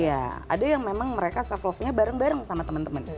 iya ada yang memang mereka self love nya bareng bareng sama teman teman